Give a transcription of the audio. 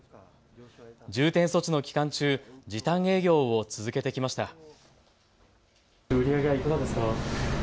重点措置の期間中、時短営業を続けてきました。